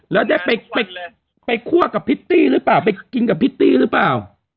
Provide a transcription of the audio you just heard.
แล้วได้ไปคั่วกับพริตตี้หรือเปล่าไปกินกับพิตตี้หรือเปล่า